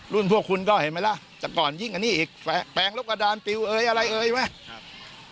พวกคุณก็เห็นไหมล่ะแต่ก่อนยิ่งอันนี้อีกแปลงรบกระดานปิวเอยอะไรเอ่ยไหม